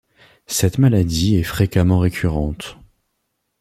Cette maladie est fréquemment récurrente.